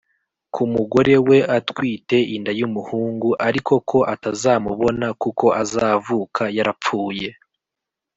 ko umugore we atwite inda y'umuhungu, ariko ko atazamubona, kuko azavuka yarapfuye.